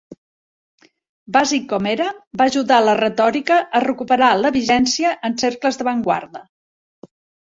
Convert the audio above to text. Bàsic com era, va ajudar la retòrica a recuperar la vigència en cercles d'avantguarda.